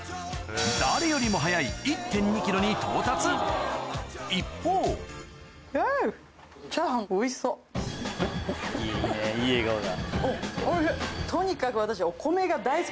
誰よりも早い１．２ｋｇに到達一方うん！いいねいい笑顔だ。